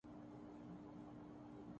اسلامی ملک کا لقب دینا چاہیے۔